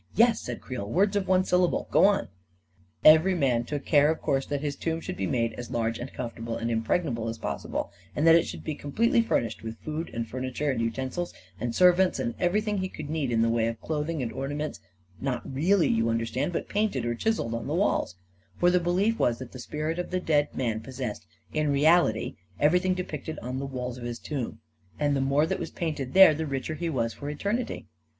." "Yes," said Creel. "Words of one syllabic! Go on I " 2i 4 A KING IN BABYLON " Every man took care, of course, that his tomb should be made as large and comfortable and im pregnable as possible, and that it should be com pletely furnished with food and furniture and uten sils and servants, and everything he could need in the way of clothing and ornaments — not really, you understand, but painted or chiselled on the walls; for the belief was that the spirit of the dead man possessed in reality everything depicted on the walls of his tomb; and the more that was painted there, the richer he was for eternity.